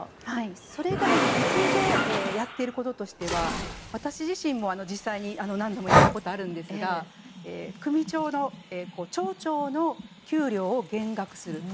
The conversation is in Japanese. それ以外に実務上やっていることとしては私自身も実際に何度もやったことがあるんですが首長の町長の給料を減額する。